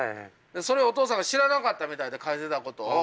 それをお父さんが知らなかったみたいで書いてたことを。